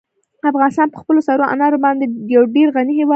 افغانستان په خپلو سرو انارو باندې یو ډېر غني هېواد دی.